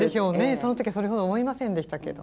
その時はそれほど思いませんでしたけど。